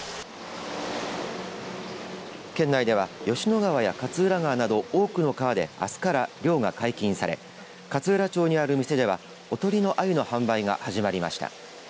県内では吉野川や勝浦川など多くの川であすから漁が解禁され勝浦町にある店ではおとりのアユの販売が始まりました。